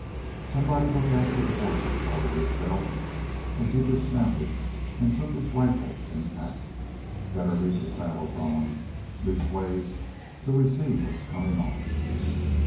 "Somebody look after the hosses," ordered Isbel, as he dismounted and took his rifle and pack. "Better leave the saddles on, leastways till we see what's comin' off."